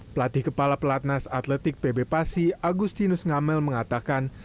pelatih kepala pelatnas atletik pb pasi agustinus ngamel mengatakan